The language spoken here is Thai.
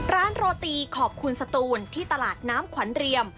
โรตีขอบคุณสตูนที่ตลาดน้ำขวัญเรียม